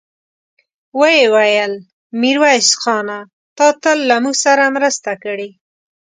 ويې ويل: ميرويس خانه! تا تل له موږ سره مرسته کړې.